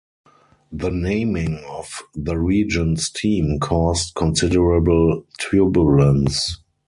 The naming of the region's team caused considerable turbulence.